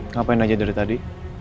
ngapain aja dari tadi